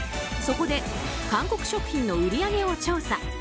そこで韓国食品の売り上げを調査。